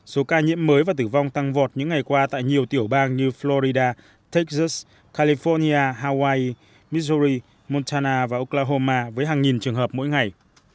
số ca nhiễm mới và tử vong tăng vọt những ngày qua tại nhiều tiểu bang như florida tech zuss california hawaii miguri montana và oklahoma với hàng nghìn trường hợp mỗi ngày